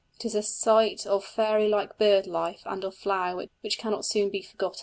It is a sight of fairy like bird life and of flower which cannot soon be forgotten.